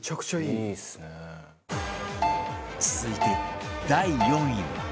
続いて第４位は